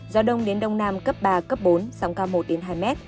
gió đông đến đông nam cấp ba cấp bốn sóng cao một hai m